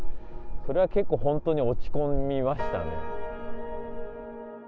それは結構、本当に落ち込みましたね。